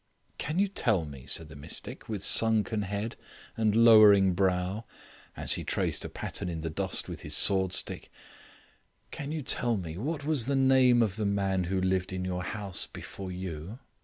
"Can you tell me," said the mystic, with sunken head and lowering brow, as he traced a pattern in the dust with his sword stick, "can you tell me what was the name of the man who lived in your house before you?"